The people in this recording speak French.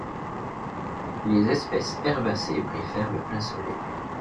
Les espèces herbacées préfèrent le plein soleil.